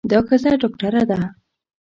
دا ښځه ډاکټره ده.